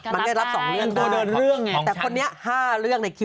มันได้รับสองเรื่อง